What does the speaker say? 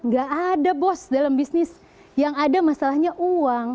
gak ada bos dalam bisnis yang ada masalahnya uang